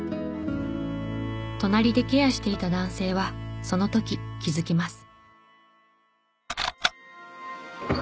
隣でケアしていた男性はその時気づきます。